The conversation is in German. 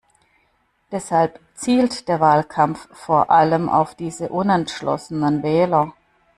Deshalb zielt der Wahlkampf vor allem auf diese unentschlossenen Wähler.